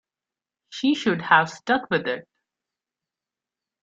She should have stuck with it.